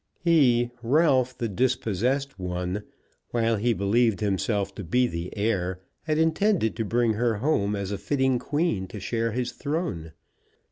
He, Ralph the dispossessed one, while he believed himself to be the heir, had intended to bring her home as a fitting queen to share his throne.